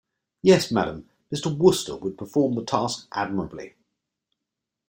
Yes, madam, Mr. Wooster would perform the task admirably.